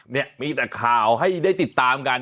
เนี่ยมีแต่ข่าวให้ได้ติดตามกัน